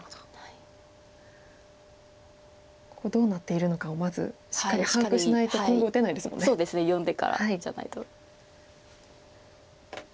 ここどうなっているのかをまずしっかり把握しないと今後打てないですもんね。読んでからじゃないと。